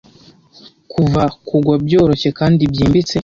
kuva kugwa byoroshye kandi byimbitse